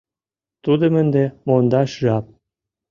Тудым ынде мондаш жап.